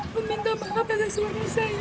meminta maaf atas suaminya saya